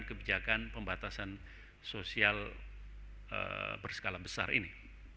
kebijakan pembatasan sosial berskala besar ini